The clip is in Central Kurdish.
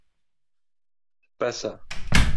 بەسە.